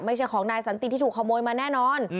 ไม่ใช่ของนายสันติที่ถูกขโมยมาแน่นอน